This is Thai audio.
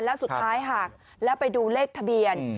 แล้วสุดท้ายหักแล้วไปดูเลขทะเบียน